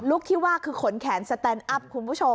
ที่ว่าคือขนแขนสแตนอัพคุณผู้ชม